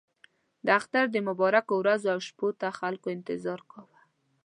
د اختر د مبارکو ورځو او شپو ته خلکو انتظار کاوه.